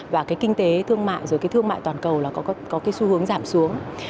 và cái kinh tế thương mại rồi cái thương mại toàn cầu là có cái xu hướng giảm xuống